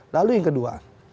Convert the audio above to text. lalu yang kedua